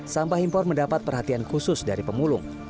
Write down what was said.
sampah impor mendapat perhatian khusus dari pemulung